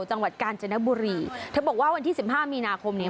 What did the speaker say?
จังหวัดกาญจนบุรีเธอบอกว่าวันที่สิบห้ามีนาคมเนี้ย